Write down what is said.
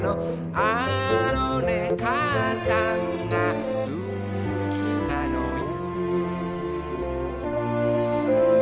「あのねかあさんがすきなのよ」